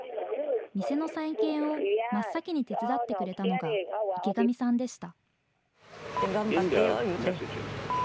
店の再建を真っ先に手伝ってくれたのが池上さんでした。